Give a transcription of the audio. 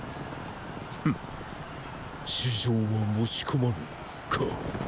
フッ“私情は持ち込まぬ”か。